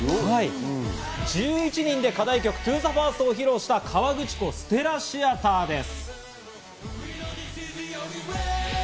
１１人で課題曲『ＴｏＴｈｅＦｉｒｓｔ』を披露した河口湖ステラシアターです。